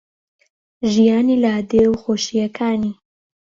ژیانی لادێ و خۆشییەکانی